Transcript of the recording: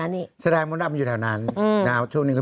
ในเช้าว่าอยู่แถวนั้นอีก